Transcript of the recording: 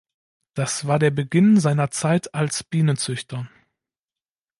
Das war der Beginn seiner Zeit als Bienenzüchter.